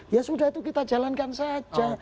ya sudah itu kita jalankan saja